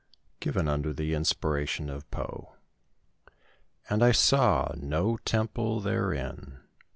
[Given under the inspiration of Poe.] "And I saw no temple therein."